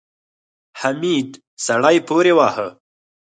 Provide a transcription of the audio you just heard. حميد سړی پورې واهه.